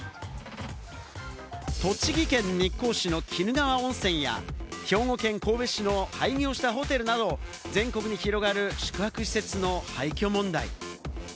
栃木県日光市の鬼怒川温泉や、兵庫県神戸市の廃業したホテルなど、全国に広がる宿泊施設の廃墟問題。